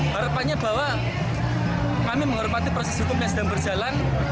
harapannya bahwa kami menghormati proses hukum yang sedang berjalan